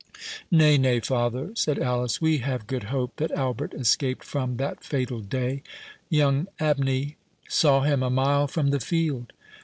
"Nay, nay, father," said Alice, "we have good hope that Albert escaped from that fatal day; young Abney saw him a mile from the field."